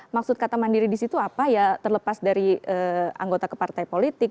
maksud kata mandiri di situ apa ya terlepas dari anggota ke partai politik